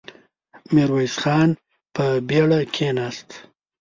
ميرويس خان په بېړه کېناست.